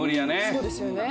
そうですよね。